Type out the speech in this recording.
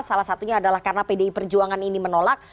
salah satunya adalah karena pdi perjuangan ini menolak